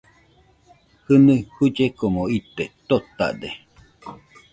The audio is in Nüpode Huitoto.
Jɨnui jullekomo ite totade